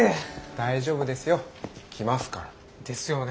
大丈夫ですよ。来ますから。ですよね。